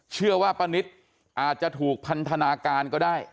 เชื่อว่าป้านิตอาจจะถูกพันธนาการก็ได้